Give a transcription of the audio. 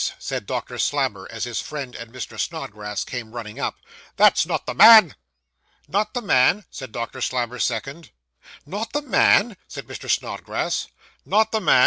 said Doctor Slammer, as his friend and Mr. Snodgrass came running up; 'that's not the man.' 'Not the man!' said Doctor Slammer's second. 'Not the man!' said Mr. Snodgrass. 'Not the man!